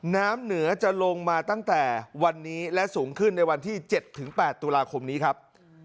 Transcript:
น้ำเหนือจะลงมาตั้งแต่วันนี้และสูงขึ้นในวันที่๗๘ตุลาคมนี้ครับ